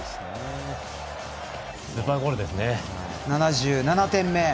７７点目。